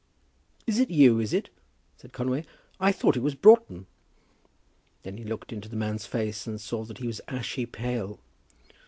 "It is you, is it?" said Conway. "I thought it was Broughton." Then he looked into the man's face and saw that he was ashy pale.